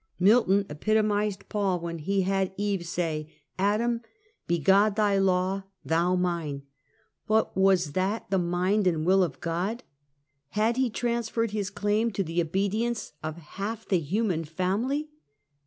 Milton epitomized Paul when he made Eve say to Rebellion. 67 Adam, "Be God thy law, tlion mine;" but was that the mind and will of God? Had he transferred his claim to the obedience of half the human family?